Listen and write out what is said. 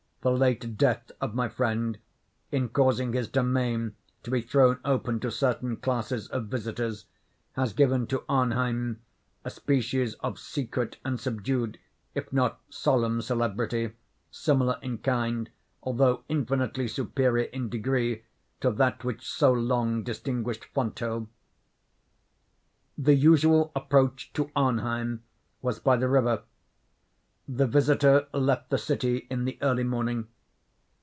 The late death of my friend, in causing his domain to be thrown open to certain classes of visitors, has given to Arnheim a species of secret and subdued if not solemn celebrity, similar in kind, although infinitely superior in degree, to that which so long distinguished Fonthill. The usual approach to Arnheim was by the river. The visitor left the city in the early morning.